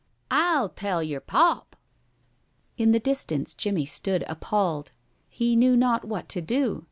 "I'll tell yer pop!" In the distance Jimmie stood appalled. He knew not what to do.